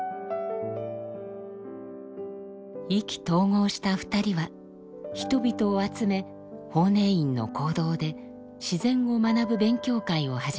意気投合した２人は人々を集め法然院の講堂で自然を学ぶ勉強会を始めました。